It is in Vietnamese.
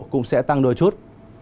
cũng sẽ tăng đôi chút